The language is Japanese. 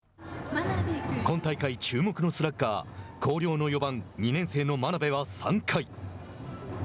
今大会注目のスラッガー広陵の４番２年生真鍋は３回。